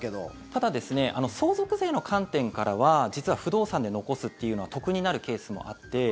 ただ、相続税の観点からは実は不動産で残すというのは得になるケースもあって。